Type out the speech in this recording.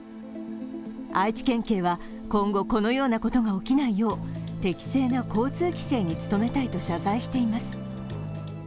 愛知県警は、今後このようなことが起きないよう適正な交通規制に努めたいと謝罪しています。